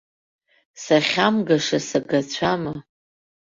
Сахьамгаша сагацәама?